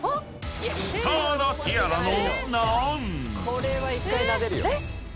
これは１回なでるよ。